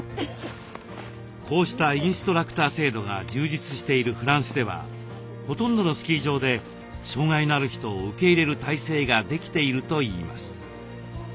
こうしたインストラクター制度が充実しているフランスではほとんどのスキー場で障害のある人を受け入れる体制ができているといいます。